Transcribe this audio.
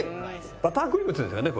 バタークリームっつうんですよね？